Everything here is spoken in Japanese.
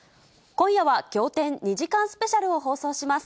今夜は、仰天２時間スペシャルを放送します。